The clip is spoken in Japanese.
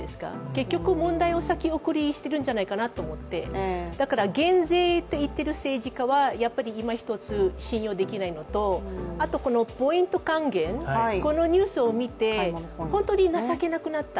結局、問題を先送りしているんじゃないかなと思ってだから減税と言っている政治家はいまひとつ信用できないのと、あと、ポイント還元のニュースを見て本当に情けなくなった。